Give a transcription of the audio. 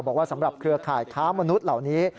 สำหรับเครือข่ายค้ามนุษย์เหล่านี้